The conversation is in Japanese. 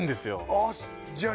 ああじゃあ